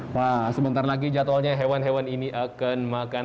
pak sebentar lagi jadwalnya hewan hewan ini akan makan